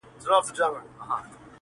ښځه د ښځی دوښمنه وی